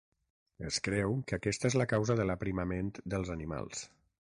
Es creu que aquesta és la causa de l'aprimament dels animals.